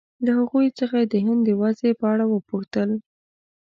له هغوی څخه یې د هند د وضعې په اړه وپوښتل.